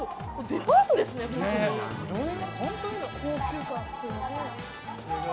デパートですね、本当に。